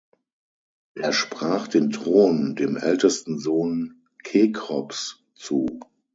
Er sprach den Thron dem ältesten Sohn Kekrops zu.